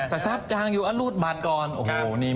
แต่ทรัพย์จางอยู่พึ่งรูดบัตรก่อน